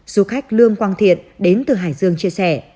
du khách lương quang thiện đến từ hải dương chia sẻ